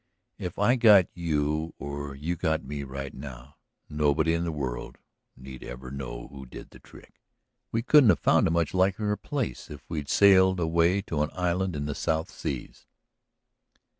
If I got you or you got me right now nobody in the world need ever know who did the trick. We couldn't have found a much likelier place if we'd sailed away to an island in the South Seas."